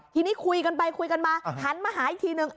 ทีนี้คุยกันไปคุยกันมาหันมาหาอีกทีนึง